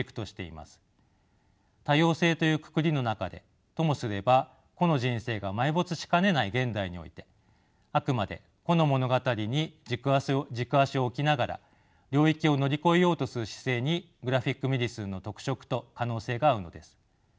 多様性というくくりの中でともすれば個の人生が埋没しかねない現代においてあくまで個の物語に軸足を置きながら領域を乗り越えようとする姿勢にグラフィック・メディスンの特色と可能性があるのです。